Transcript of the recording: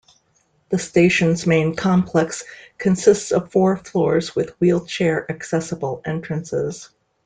The station's main complex consists of four floors with wheelchair accessible entrances.